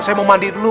saya mau mandi dulu